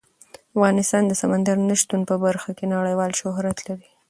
افغانستان د سمندر نه شتون په برخه کې نړیوال شهرت لري.